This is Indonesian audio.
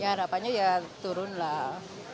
ya harapannya ya turun lah